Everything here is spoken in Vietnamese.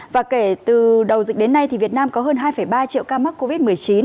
và kể từ đầu dịch đến nay thì việt nam có hơn hai ba triệu ca mắc covid một mươi chín